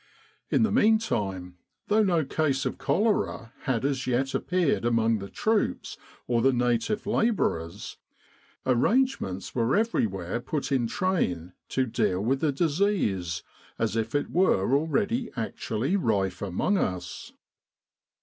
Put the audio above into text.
In the meantime, though no case of cholera had as yet appeared among the troops or the native labourers, arrangements were everywhere put in train to deal with the disease, as if it were already actually rife among us.